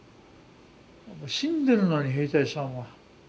死んでるのに兵隊さんは。